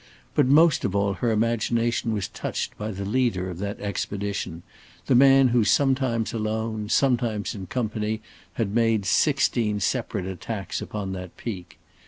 But most of all her imagination was touched by the leader of that expedition, the man who sometimes alone, sometimes in company, had made sixteen separate attacks upon that peak.